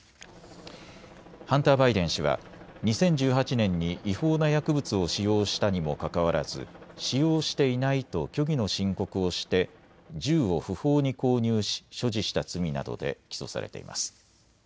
ハンター・バイデン氏は２０１８年に違法な薬物を使用したにもかかわらず使用していないと虚偽の申告をして銃を不法に購入し所持した罪などで起訴されています。